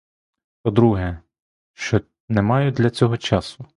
По-друге, що не маю для цього часу.